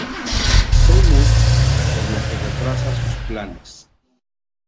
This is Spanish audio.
Seymour, por lo que retrasa sus planes.